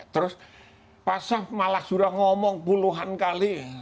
terus pasaf malah sudah ngomong puluhan kali